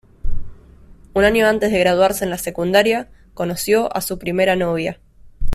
Un año antes de graduarse en la secundaria, conoció a su primera novia.